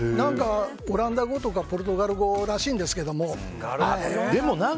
オランダ語とかポルトガル語らしいんですけど。